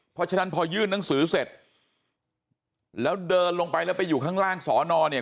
เพราะฉะนั้นพอยื่นหนังสือเสร็จแล้วเดินลงไปแล้วไปอยู่ข้างล่างสอนอเนี่ย